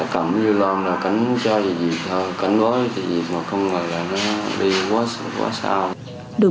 cầm dư lông là cánh chơi gì thì thôi cánh bói thì không ngờ là nó đi quá sao